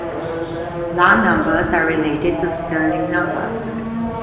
Lah numbers are related to Stirling numbers.